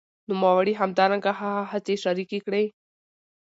نوموړي همدرانګه هغه هڅي شریکي کړې